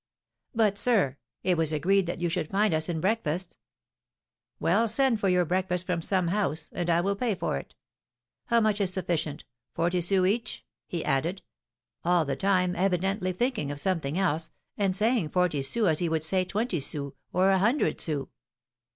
"But, sir, it was agreed that you should find us in breakfasts." "Well, send for your breakfasts from some house, and I will pay for it. How much is sufficient, forty sous each?" he added; all the time evidently thinking of something else, and saying forty sous as he would say twenty sous or a hundred sous.